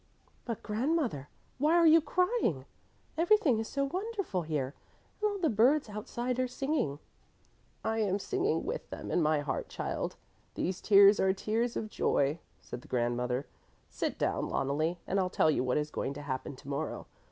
"But grandmother, why are you crying? Everything is so wonderful here, and all the birds outside are singing." "I am singing with them in my heart, child; these tears are tears of joy," said the grandmother. "Sit down, Loneli, and I'll tell you what is going to happen to morrow.